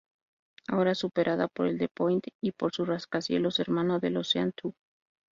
Ahora superada por el The Point y por su rascacielos hermano el Ocean Two.